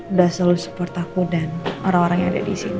udah selalu support aku dan orang orang yang ada di sini